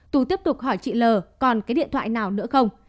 tú tiếp tục hỏi chị l còn cái điện thoại nào nữa không